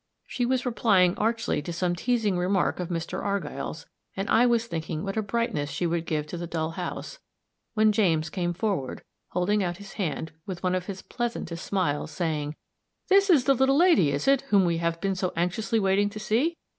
She was replying archly to some teasing remark of Mr. Argyll's, and I was thinking what a brightness she would give to the dull house, when James came forward, holding out his hand, with one of his pleasantest smiles, saying, "This is the little lady, is it, whom we have been so anxiously waiting to see?